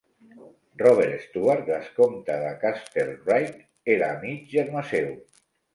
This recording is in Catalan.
Robert Stewart, bescompte de Castlereagh, era mig germà seu.